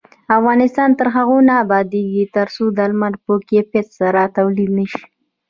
افغانستان تر هغو نه ابادیږي، ترڅو درمل په کیفیت سره تولید نشي.